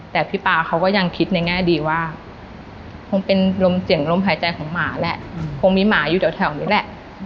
แต่พี่ป๊าเขาก็ยังคิดในแง่ดีว่าคงเป็นลมเสี่ยงลมหายใจของหมาแหละคงมีหมาอยู่แถวนี้แหละ